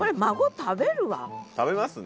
食べますね。